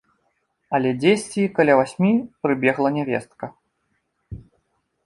Але дзесьці каля васьмі прыбегла нявестка.